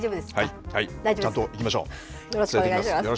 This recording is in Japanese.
ちゃんといきましょう。